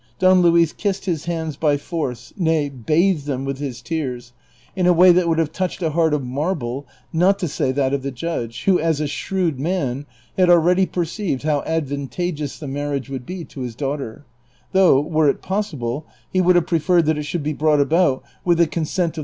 Don Luis kissed his hands l)y force, nay, bathed them with his tears, in a way that would have touched a heart of marble, not to say that of the judge, who as a shrewd man, had already perceived how advantageous the marriage would be to his daughter ; though, were it possible, he would have preferred that it should be brought about with the consent of 382 DON QXTTXOTE.